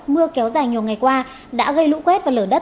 mưa kéo dài nhiều ngày qua đã gây lũ quét và lở đất